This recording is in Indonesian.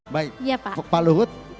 baik pak luhut